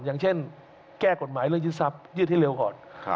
อย่างเช่นแก้กฎหมายเรื่องยึดทรัพยืดให้เร็วก่อน